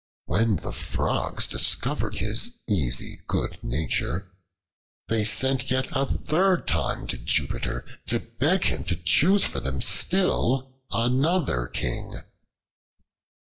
When the Frogs discovered his easy good nature, they sent yet a third time to Jupiter to beg him to choose for them still another King.